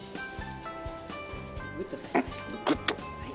グッと。